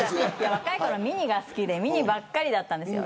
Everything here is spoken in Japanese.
若いころはミニが好きでミニばっかりだったんですよ。